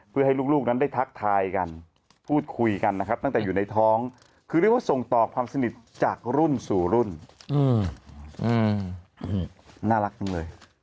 เพื่อให้ลูกนั้นได้ทักทายกันพูดคุยกันนะครับตั้งแต่อยู่ในท้องคือเรียกว่าส่งต่อความสนิทจากรุ่นสู่รุ่นน่ารักจังเลย